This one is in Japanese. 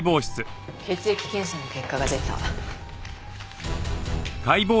血液検査の結果が出た。